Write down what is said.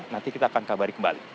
nanti kita akan kabari kembali